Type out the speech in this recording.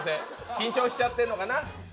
緊張しちゃってるのかな。